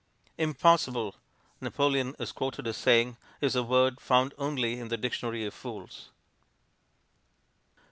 '" "Impossible," Napoleon is quoted as saying, "is a word found only in the dictionary of fools."